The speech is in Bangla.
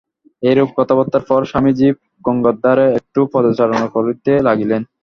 এইরূপ কথাবার্তার পর স্বামীজী গঙ্গার ধারে একটু পদচারণা করিতে লাগিলেন।